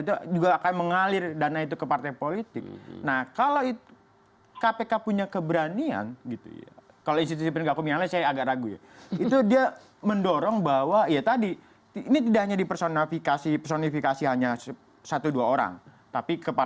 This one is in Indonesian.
daripada kami ngotot membela diri dan sebagainya